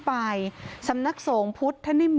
เป็นพระรูปนี้เหมือนเคี้ยวเหมือนกำลังทำปากขมิบท่องกระถาอะไรสักอย่าง